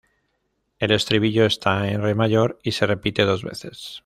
El estribillo está en re mayor, y se repite dos veces.